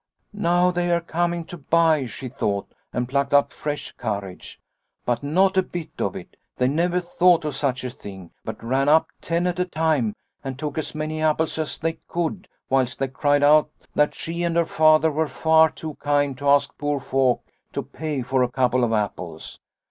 ' Now they are coming to buy/ she thought, and plucked up fresh courage. " But not a bit of it ! They never thought of such a thing, but ran up, ten at a time, and took as many apples as they could, whilst they cried out that she and her Father were far too kind to ask poor folk to pay for a couple of apples.